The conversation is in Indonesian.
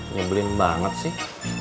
nyebelin banget sih